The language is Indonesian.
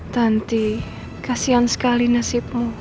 tanti kasihan sekali nek